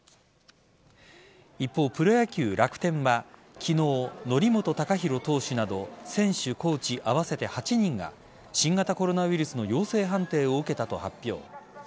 一方、プロ野球楽天は昨日、則本昂大投手など選手、コーチ合わせて８人が新型コロナウイルスの陽性判定を受けたと発表。